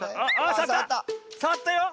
さわったよ！